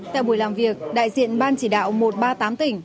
tại buổi làm việc đại diện ban chỉ đạo một trăm ba mươi tám tỉnh